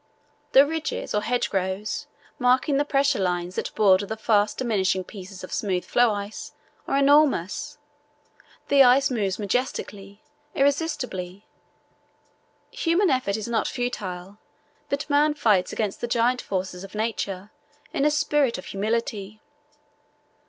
The ridges, or hedgerows, marking the pressure lines that border the fast diminishing pieces of smooth floe ice, are enormous. The ice moves majestically, irresistibly. Human effort is not futile, but man fights against the giant forces of Nature in a spirit of humility.